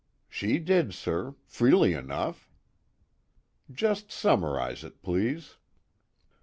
"She did, sir, freely enough." "Just summarize it, please."